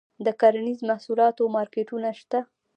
د کرنیزو محصولاتو مارکیټونه شته؟